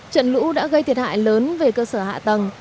trận lũ đã gây thiệt hại lớn về cơ sở hạ tầng